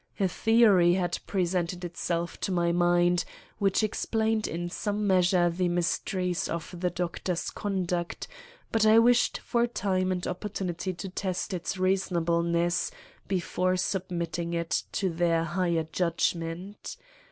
A theory had presented itself to my mind which explained in some measure the mysteries of the Doctor's conduct, but I wished for time and opportunity to test its reasonableness before submitting it to their higher judgment.